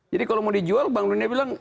jadi kalau mau dijual bank dunia bilang